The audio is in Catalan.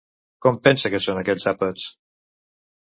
Com pensa que són aquests àpats?